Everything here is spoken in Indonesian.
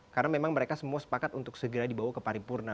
karena memang mereka semua sepakat untuk segera dibawa ke paripurna